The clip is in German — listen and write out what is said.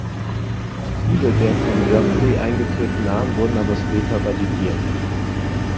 Viele der von Geoffroy eingeführten Namen wurden aber später validiert.